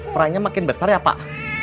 perannya makin besar ya pak